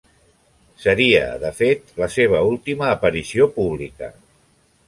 Seria, de fet, la seva última aparició pública.